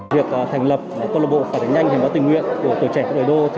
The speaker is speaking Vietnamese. việc thành lập công lạc bộ phản ứng nhanh hiến máu tình nguyện của tổ chảy công an tp hà nội